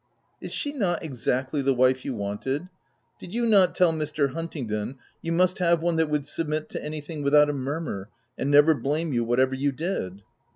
" Is she not exactly the wife you wanted ? Did you not tell Mr. Huntingdon you must have one that would submit to anything with out a murmur, and never blame you, whatever you did